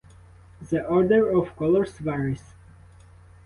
The order of colors varies.